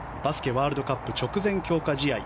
ワールドカップ直前強化試合。